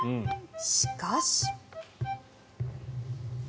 しかし。